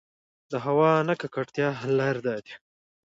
د هـوا د نـه ککـړتيا حـل لـارې دا دي: